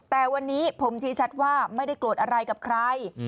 แต่วันนี้ผมชี้ชัดว่าไม่ได้โกรธอะไรกับใคร